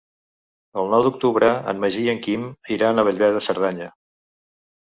El nou d'octubre en Magí i en Quim iran a Bellver de Cerdanya.